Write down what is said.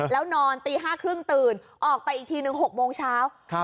แล้วนอนตีห้าครึ่งตื่นออกไปอีกทีนึงหกโมงเช้าครับ